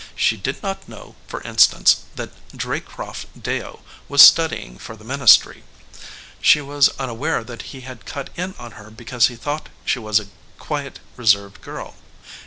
She did not know, for instance, that Draycott Deyo was studying for the ministry; she was unaware that he had cut in on her because he thought she was a quiet, reserved girl.